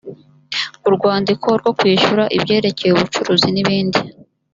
urwandiko rwo kwishyura ibyerekeye ubucuruzi n’ibindi